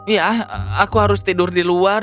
ya aku harus tidur di luar